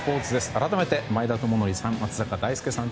改めて、前田智徳さん